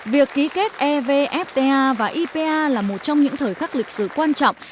việc ký kết evfta và ipa là một trong những thời khắc lịch sử quan trọng